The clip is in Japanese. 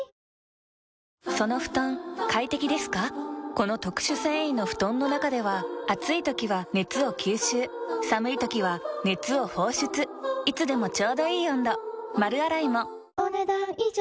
この特殊繊維の布団の中では暑い時は熱を吸収寒い時は熱を放出いつでもちょうどいい温度丸洗いもお、ねだん以上。